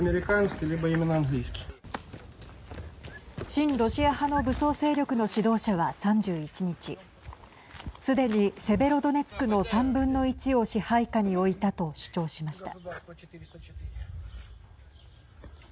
親ロシア派の武装勢力の指導者は３１日すでにセベロドネツクの３分の１を支配下に置いたと主張しました。